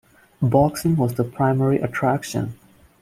Boxing was the primary attraction.